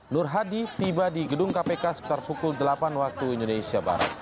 nur hadi tiba di gedung kpk sekitar pukul delapan waktu indonesia barat